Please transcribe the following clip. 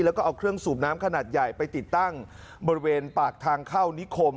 แล้วก็เอาเครื่องสูบน้ำขนาดใหญ่ไปติดตั้งบริเวณปากทางเข้านิคม